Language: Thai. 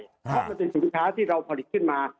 เพราะว่าสินค้าที่เราผลิตขึ้นมา